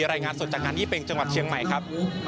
รายงานสดจากงานยี่เป็งจังหวัดเชียงใหม่ครับ